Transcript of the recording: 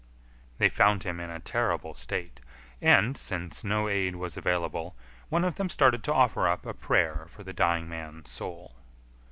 They found him in a terrible state, and, since no aid was available, one of them started to offer up a prayer for the dying man's soul.